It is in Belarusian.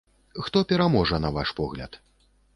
Хто пераможа на ваш погляд?